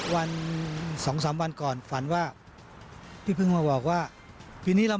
สองสามวันก่อนฝันว่าพี่เพิ่งมาบอกว่าปีนี้เรา